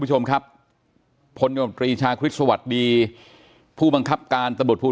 คุณผู้ชมครับพลยมปรีชาคริสต์สวัสดีผู้บังคับการตำรวจภู